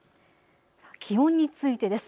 気温についてです。